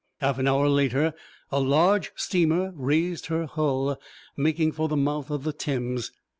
Half an hour later a large steamer raised her hull, making for the mouth of the Thames.